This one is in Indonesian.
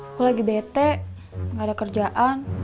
aku lagi bete gak ada kerjaan